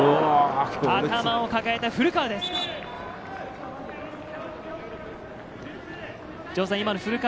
頭を抱えた古川です。